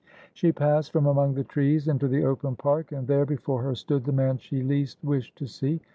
She passed from among the trees into the open park and there before her stood the man she least wished to see.